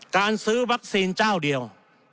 การซื้อวัคซีนเจ้าเดียว